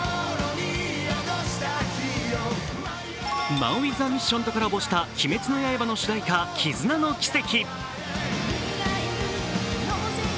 ＭＡＮＷＩＴＨＡＭＩＳＳＩＯＮとコラボした「鬼滅の刃」の主題歌、「絆ノ奇跡」。